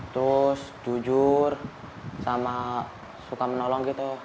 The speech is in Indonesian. terus jujur sama suka menolong gitu